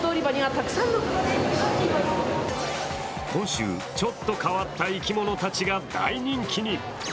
今週、ちょっと変わった生き物たちが大人気に。